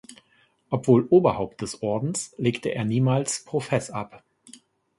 Obwohl Oberhaupt des Ordens, legte er niemals Profess ab.